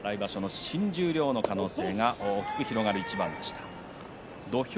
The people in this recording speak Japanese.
新十両の可能性が大きく広がる一番でした。